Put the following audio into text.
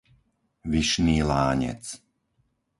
Vyšný Lánec